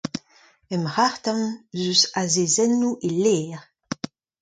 E'm c'harr-tan ez eus azezennoù e ler.